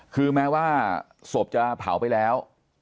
คือแม้ว่าศพจะเผาไปแล้ว